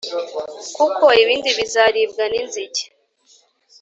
kuko ibindi bizaribwa n’inzige.